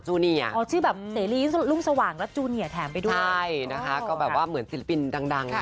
ชื่อแบบเสรีรุ้งสว่างและวงสว่างและักษณะแถมกันซักอย่าง